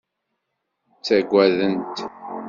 Ttagadent.